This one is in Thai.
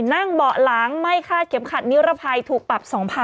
นั่งเบาะหลังไม่คาดเก็บขัดนิ้วระภัยถูกปรับ๒๐๐๐นะคะ